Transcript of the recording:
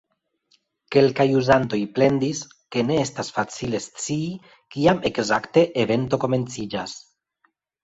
Kelkaj uzantoj plendis, ke ne estas facile scii kiam ekzakte evento komenciĝas.